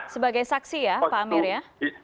sebagai saksi ya pak amir ya